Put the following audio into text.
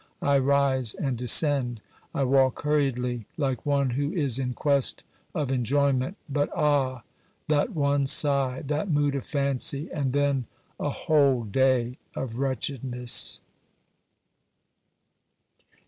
I rise and descend; I walk hurriedly, like one who is in quest of enjoyment, but ah, that one sigh, that mood of fancy, and then a whole day of wretchedness